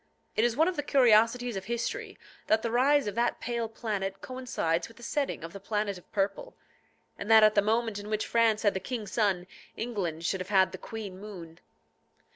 It is one of the curiosities of history, that the rise of that pale planet coincides with the setting of the planet of purple, and that at the moment in which France had the king Sun, England should have had the queen Moon.